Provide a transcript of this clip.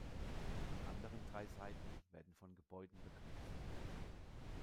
Die anderen drei Seiten werden von Gebäuden begrenzt.